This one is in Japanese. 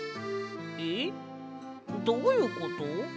えっどういうこと？